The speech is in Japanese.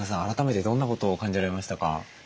改めてどんなことを感じられましたか？